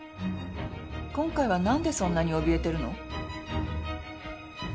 今回は何でそんなにおびえてるの？